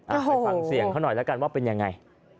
ไปฟังเสียงเขาหน่อยแล้วกันว่าเป็นยังไง